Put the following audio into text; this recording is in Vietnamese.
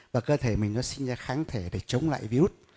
và cơ thể mình nó sinh ra kháng thể để chống lại virus